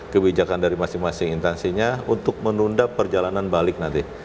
kebijakan dari masing masing intansinya untuk menunda perjalanan balik nanti